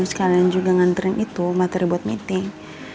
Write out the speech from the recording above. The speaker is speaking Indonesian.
sekalian juga nganterin itu materi buat meeting